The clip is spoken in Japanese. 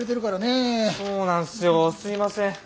そうなんすよすいません。